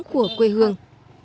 của quê hương